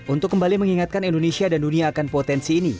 untuk kembali mengingatkan indonesia dan dunia akan potensi ini